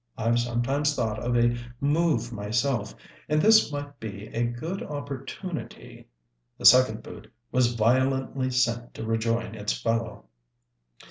I've sometimes thought of a move myself, and this might be a good opportunity " The second boot was violently sent to rejoin its fellow.